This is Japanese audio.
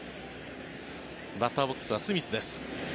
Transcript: バッターボックスはスミスです。